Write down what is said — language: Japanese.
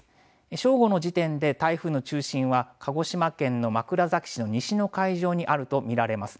正午の時点で台風の中心は鹿児島県の枕崎市の西の海上にあると見られます。